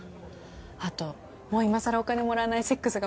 あともう今更お金もらわないセックスが無理。